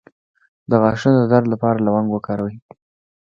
د غاښونو د درد لپاره لونګ وکاروئ